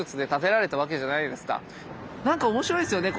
なんか面白いですよね。